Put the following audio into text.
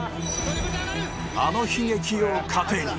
あの悲劇を糧に